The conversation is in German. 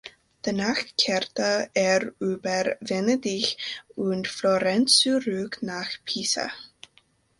Danach kehrte er über Venedig und Florenz zurück nach Pisa.